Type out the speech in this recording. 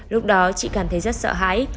lúc đó chị cảm thấy rất sợ hãi